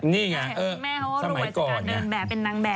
แม่เขาก็หลวยสการเดินแบบเป็นนางแบบ